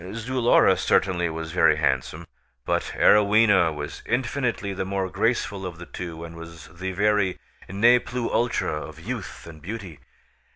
Zulora certainly was very handsome, but Arowhena was infinitely the more graceful of the two and was the very ne plus ultra of youth and beauty.